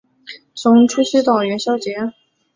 从除夕到元宵节